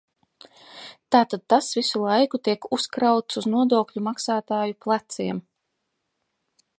Tātad tas visu laiku tiek uzkrauts uz nodokļu maksātāju pleciem.